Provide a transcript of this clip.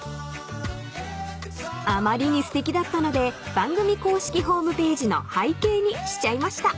［あまりにすてきだったので番組公式ホームページの背景にしちゃいました］